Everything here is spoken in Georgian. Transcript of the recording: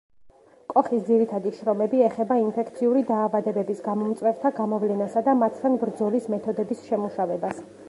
კოხის ძირითადი შრომები ეხება ინფექციური დაავადებების გამომწვევთა გამოვლენასა და მათთან ბრძოლის მეთოდების შემუშავებას.